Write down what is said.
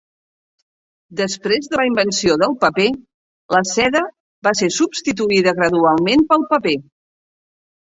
Després de la invenció del paper, la seda va ser substituïda gradualment pel paper.